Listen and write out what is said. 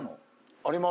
あります